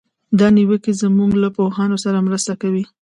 دا نیوکې زموږ له پوهانو سره مرسته کوي.